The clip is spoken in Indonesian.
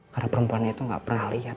karena perempuan itu gak pernah lihat